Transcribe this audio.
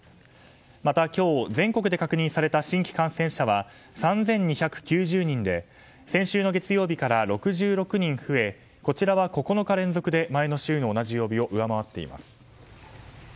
また今日、全国で確認された新規感染者は３２９０人で先週の月曜日から６６人増え、こちらは９日連続で前の週の同じ曜日を上回っています。